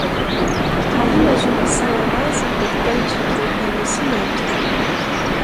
A imaginação é mais importante que o conhecimento.